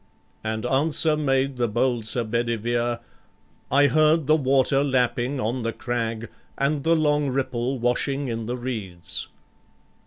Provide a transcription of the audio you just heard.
And answer made the bold Sir Bedivere: "I heard the water lapping on the crag, And the long ripple washing in the reeds."